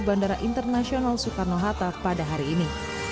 bandara internasional soekarno hatta pada hari ini